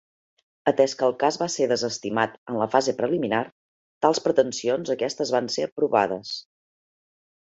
Atès que el cas va ser desestimat en la fase preliminar, tals pretensions aquestes van ser provades.